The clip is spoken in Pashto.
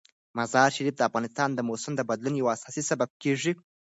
مزارشریف د افغانستان د موسم د بدلون یو اساسي سبب کېږي.